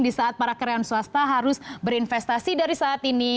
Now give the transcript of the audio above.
di saat para karyawan swasta harus berinvestasi dari saat ini